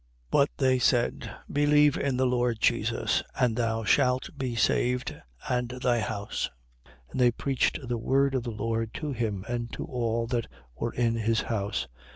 16:31. But they said: believe in the Lord Jesus: and thou shalt be saved, and thy house. 16:32. And they preached the word of the Lord to him and to all that were in his house.